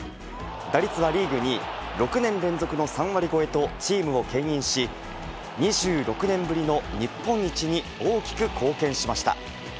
打率はリーグ２位、６年連続の３割超えとチームをけん引し、２６年ぶりの日本一に大きく貢献しました。